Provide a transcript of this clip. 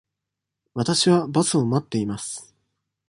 わたしはバスを待っています。